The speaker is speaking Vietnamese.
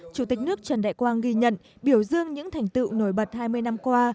chủ tịch nước trần đại quang ghi nhận biểu dương những thành tựu nổi bật hai mươi năm qua